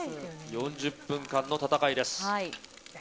４０分間の戦いです。